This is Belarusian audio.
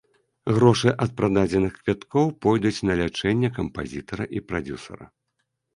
Грошы ад прададзеных квіткоў пойдуць на лячэнне кампазітара і прадзюсара.